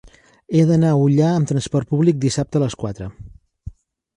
He d'anar a Ullà amb trasport públic dissabte a les quatre.